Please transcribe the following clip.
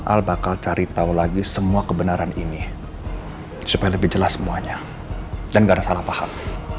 al bakal cari tahu lagi semua kebenaran ini supaya lebih jelas semuanya dan gak ada salah paham